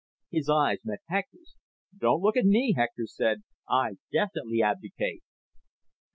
His eyes met Hector's. "Don't look at me," Hector said. "I definitely abdicate."